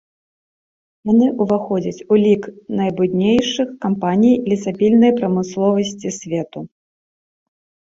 Яны ўваходзяць у лік найбуйнейшых кампаній лесапільны прамысловасці свету.